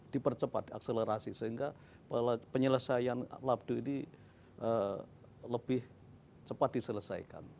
dipercepat diakselerasi sehingga penyelesaian labdo ini lebih cepat diselesaikan